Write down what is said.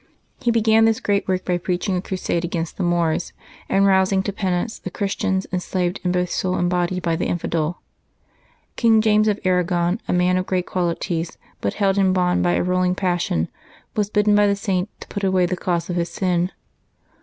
He began this great work by preaching a crusade against the Moors, and rousing to penance the Christians, enslaved in both soul and body by the infidel. Bang James of Aragon, a man of great qualities, but held in bond by a ruling passion, was bidden by the Saint to put away the cause of his sin.